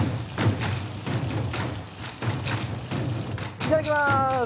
いただきます。